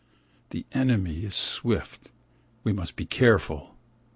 The enemy is swift, we must be careful.